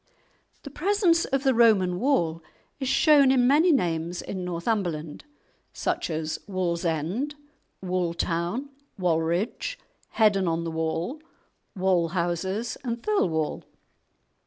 The presence of the Roman wall is shown in many names in Northumberland, such as "Wallsend," "Walltown," "Wallridge," "Heddon on the Wall," "Wallhouses," and "Thirlwall."